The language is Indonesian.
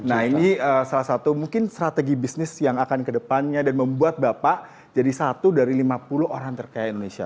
nah ini salah satu mungkin strategi bisnis yang akan kedepannya dan membuat bapak jadi satu dari lima puluh orang terkaya indonesia